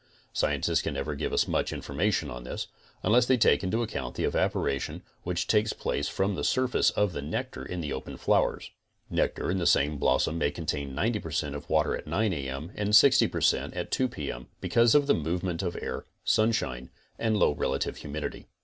Scientists can never give us much in formation on this, unless they take into account the evaporation which takes place from the surface of the nectar in the open flowers. Nectar in the same blossom may contain 90% of water at 9 A. M. and 60% at 2 P. M., because of the movements of the air, sunshine and low relative humidity.